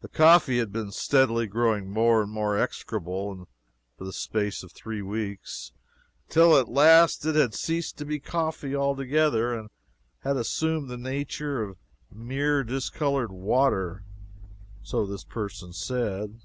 The coffee had been steadily growing more and more execrable for the space of three weeks, till at last it had ceased to be coffee altogether and had assumed the nature of mere discolored water so this person said.